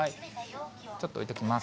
ちょっと置いときます。